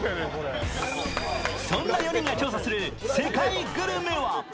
そんな４人が調査する世界グルメは？